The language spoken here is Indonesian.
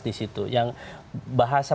di situ yang bahasa